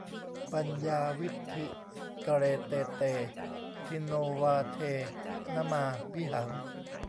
ปัญญาวิฒิ กเร เต เต ทินโนวาเท นมา มิหัง